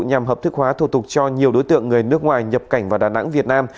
nhằm hợp thức hóa thủ tục cho nhiều đối tượng người nước ngoài nhập cảnh vào đà nẵng việt nam